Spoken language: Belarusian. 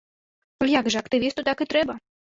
А як жа, актывісту так і трэба!